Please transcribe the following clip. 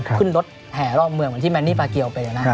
อะขึ้นรถแห่ล่อเมืองเหมือนที่มานี่ปาเกียลไปนะ